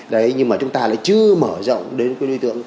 đấy nhưng mà chúng ta lại chưa mở rộng đến cái đối tượng